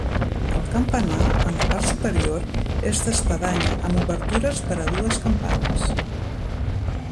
El campanar, en la part superior, és d'espadanya amb obertures per a dues campanes.